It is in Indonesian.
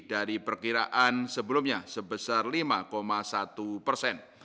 dari perkiraan sebelumnya sebesar lima satu persen